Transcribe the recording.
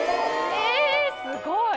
えすごい！